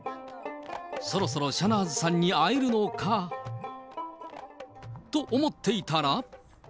そろそろシャナーズさんに会えるのか？と思っていたら。